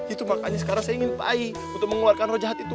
itu makanya sekarang saya ingin pai untuk mengeluarkan rojahat itu